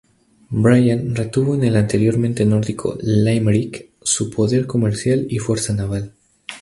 Brian retuvo en el anteriormente nórdico Limerick su poder comercial y fuerza naval.